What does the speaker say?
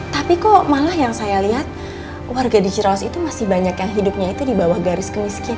tapi kok malah yang saya lihat warga di cirawas itu masih banyak yang hidupnya itu di bawah garis kemiskinan